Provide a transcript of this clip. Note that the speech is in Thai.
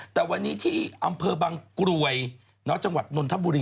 แต่วันนี้ที่อำเภอบางกรวยจังหวัดนนทบุรี